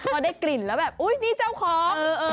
พอได้กลิ่นแล้วแบบอุ๊ยนี่เจ้าของ